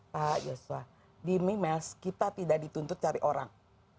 pak joshua di mimes kita tidak dituntut cari orang